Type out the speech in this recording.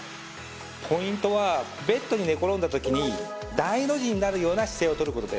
ポイントはベッドに寝転んだときに大の字になるような姿勢をとることです。